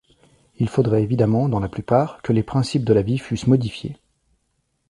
Il faudrait évidemment dans la plupart que les principes de la vie fussent modifiés.